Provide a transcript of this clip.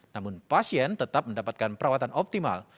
namun pasien tetap mendapatkan perawatan optimal